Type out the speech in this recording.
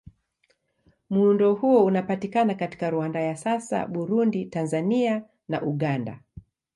Muundo huo unapatikana katika Rwanda ya sasa, Burundi, Tanzania na Uganda.